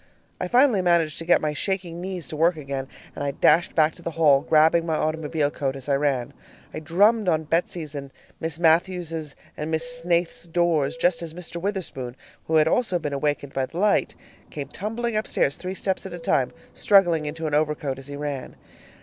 I finally managed to get my shaking knees to work again, and I dashed back to the hall, grabbing my automobile coat as I ran. I drummed on Betsy's and Miss Matthews' and Miss Snaith's doors, just as Mr. Witherspoon, who had also been wakened by the light, came tumbling upstairs three steps at a time, struggling into an overcoat as he ran.